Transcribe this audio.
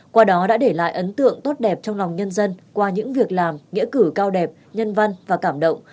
qua đó đã để lại ấn tượng tốt đẹp trong lòng nhân dân qua những việc làm nghĩa cử cao đẹp nhân văn và cảm động